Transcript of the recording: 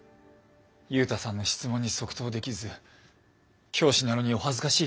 ユウタさんの質問に即答できず教師なのにお恥ずかしい限りです。